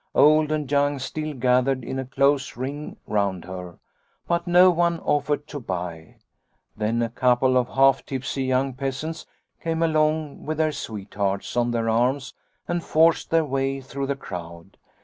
Old and young still gathered in a close ring round her, but no one offered to buy. " Then a couple of half tipsy young peasants came along with their sweethearts on their arms and forced their way through the crowd.